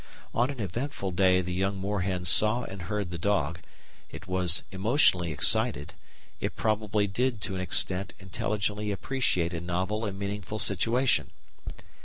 On an eventful day the young moorhen saw and heard the dog; it was emotionally excited; it probably did to some extent intelligently appreciate a novel and meaningful situation.